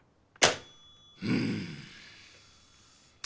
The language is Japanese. うん。